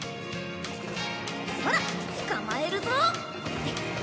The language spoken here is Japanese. そらっ捕まえるぞ！